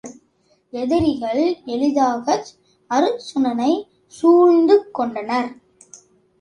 எதிரிகள் எளிதாக அருச் சுனனைச் சூழ்ந்து கொண்டனர்.